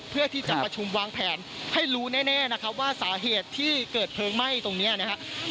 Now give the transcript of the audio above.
เพื่อที่จะประชุมวางแผนให้รู้แน่นะครับว่าสาเหตุที่เกิดเพลิงไหม้ตรงนี้นะครับ